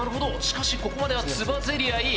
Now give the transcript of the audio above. しかしここまではつばぜり合い。